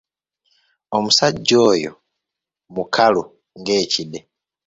Omusajja oyo mukalu ng'kide.